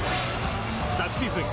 昨シーズン